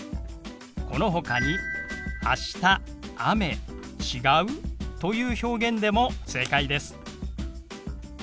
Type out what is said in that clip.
このほかに「明日」「雨」「違う？」という表現でも正解です。